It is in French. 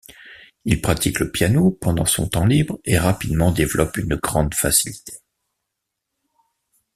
Il pratique le piano pendant son temps libre et rapidement développe une grande facilité.